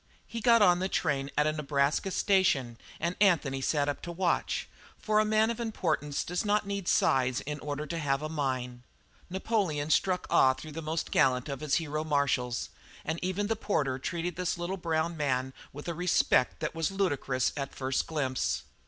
He got on the train at a Nebraska station and Anthony sat up to watch, for a man of importance does not need size in order to have a mien. Napoleon struck awe through the most gallant of his hero marshals, and even the porter treated this little brown man with a respect that was ludicrous at first glimpse.